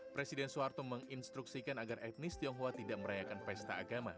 presiden soeharto menginstruksikan agar etnis tionghoa tidak merayakan pesta agama